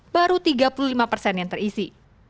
baru tiga puluh lima persen yang terisi